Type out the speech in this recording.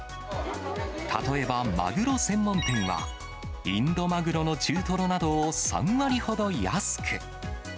例えば、マグロ専門店は、インドマグロの中トロなどを３割ほど安く。